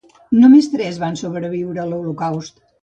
Només tres van sobreviure l'holocaust.